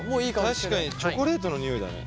確かにチョコレートの匂いだね。